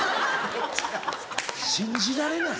信じられない。